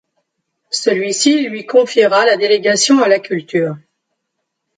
Celui-ci lui confiera la délégation à la culture.